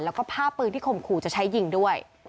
แล้วก็ผ้าปืนที่ข่มขู่จะใช้ยิงด้วย